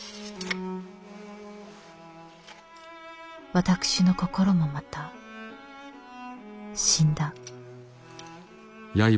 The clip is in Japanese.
「私の心もまた死んだ」。